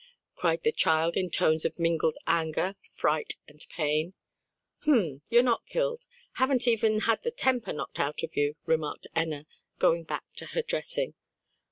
cried the child in tones of mingled anger, fright and pain. "H'm! you're not killed; haven't even had the temper knocked out of you," remarked Enna, going back to her dressing.